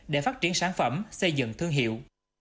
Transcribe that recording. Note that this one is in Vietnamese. để phát triển sản phẩm xây dựng thương hiệu